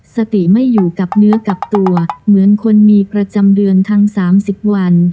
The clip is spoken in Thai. สติไม่อยู่กับเนื้อกับตัวเหมือนคนมีประจำเดือนทั้ง๓๐วัน